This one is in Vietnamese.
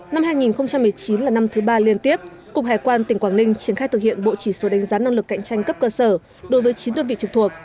năm hai nghìn một mươi chín là năm thứ ba liên tiếp cục hải quan tỉnh quảng ninh triển khai thực hiện bộ chỉ số đánh giá năng lực cạnh tranh cấp cơ sở đối với chín đơn vị trực thuộc